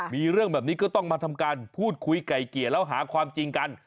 มีเรื่องแบบนี้ก็ต้องมาทำการพูดคุยไก่เกลี่ยแล้วหาความจริงกัน